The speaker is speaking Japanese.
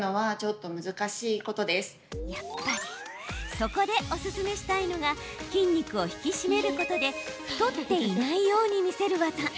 そこで、おすすめしたいのが筋肉を引き締めることで太っていないように見せる技。